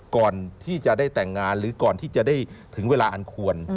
ก่อนที่จะได้แต่งงานหรือก่อนที่จะได้ถึงเวลาอันควร